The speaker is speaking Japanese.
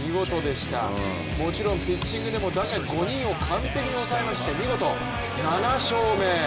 もちろんピッチングでも打者５人を完璧に抑えまして７勝目。